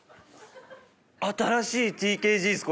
新しいＴＫＧっす